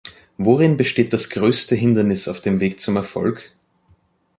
Worin besteht das größte Hindernis auf dem Weg zum Erfolg?